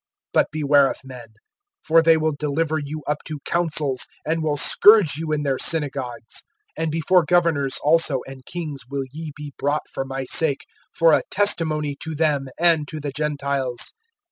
(17)But beware of men; for they will deliver you up to councils, and will scourge you in their synagogues; (18)and before governors also and kings will ye be brought for my sake, for a testimony to them and to the Gentiles.